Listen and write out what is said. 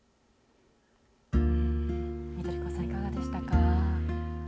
緑子さん、いかがでしたか。